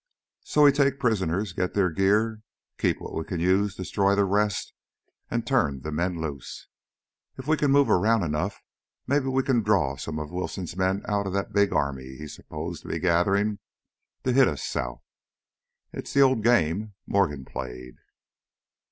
So we take prisoners, get their gear, keep what we can use, destroy the rest, and turn the men loose. If we can move around enough, maybe we can draw some of Wilson's men out of that big army he's supposed to be gatherin' to hit us south. It's the old game Morgan played."